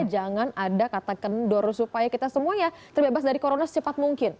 jangan ada kata kendor supaya kita semuanya terbebas dari corona secepat mungkin